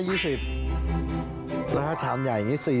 แล้วก็ชามใหญ่อย่างนี้๔๐